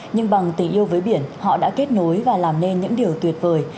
nhưng bằng tình yêu với biển họ đã kết nối và làm nên những điều tuyệt vời